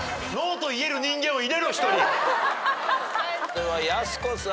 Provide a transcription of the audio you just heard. ではやす子さん。